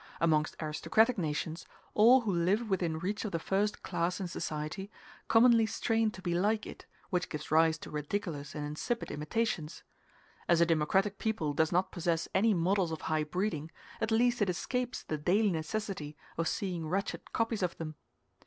Amongst aristocratic nations, all who live within reach of the first class in society commonly strain to be like it, which gives rise to ridiculous and insipid imitations. As a democratic people does not possess any models of high breeding, at least it escapes the daily necessity of seeing wretched copies of them.